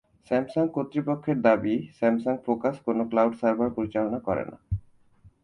Samsung কর্তৃপক্ষের দাবি, Samsung focus কোনো ক্লাউড সার্ভার পরিচালনা করে না।